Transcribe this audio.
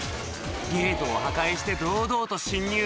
ゲートを破壊して堂々と進入